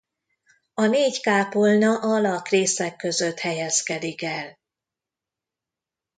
A négy kápolna a lakrészek között helyezkedik el.